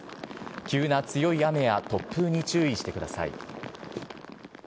急な強い雨や突風に注意してください。